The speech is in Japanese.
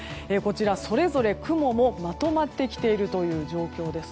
それぞれ雲もまとまってきているという状況です。